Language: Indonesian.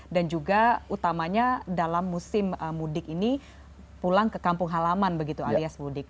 dan juga utamanya dalam musim mudik ini pulang ke kampung halaman begitu alias mudik